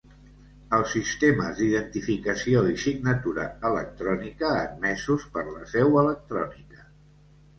Els sistemes d'identificació i signatura electrònica admesos per la seu electrònica.